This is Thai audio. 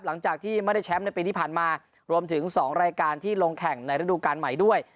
หลังจากที่ไม่ได้แชมป์ในปีที่ผ่านมารวมถึง๒รายการที่ลงแข่งในฤดูการใหม่ด้วย